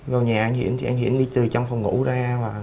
vào nhà anh diển thì anh hiển đi từ trong phòng ngủ ra